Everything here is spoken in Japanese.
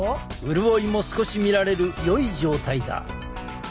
潤いも少し見られるよい状態だ。